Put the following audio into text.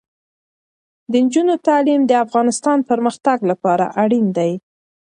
د نجونو تعلیم د افغانستان پرمختګ لپاره اړین دی.